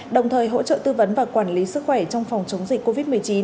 đồng thời hỗ trợ tư vấn và quản lý sức khỏe trong phòng chống dịch covid một mươi chín